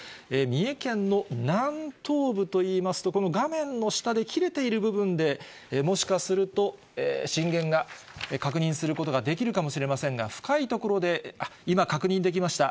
三重県の南東部といいますと、この画面の下で切れている部分で、もしかすると、震源が確認することができるかもしれませんが、深い所で、今、確認できました。